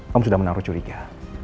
kamu sudah menaruh curiga